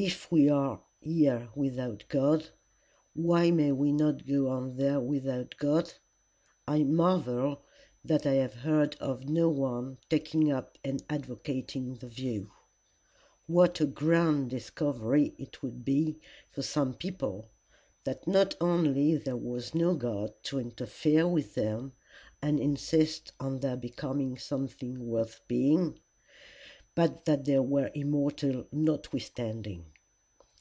If we are here without God, why may we not go on there without God? I marvel that I have heard of no one taking up and advocating the view. What a grand discovery it would be for some people that not only was there no God to interfere with them, and insist on their becoming something worth being, but that they were immortal notwithstanding!